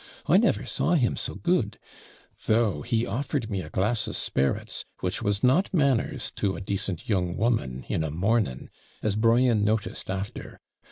I never saw him so good though he offered me a glass of spirits, which was not manners to a decent young woman, in a morning as Brian noticed after.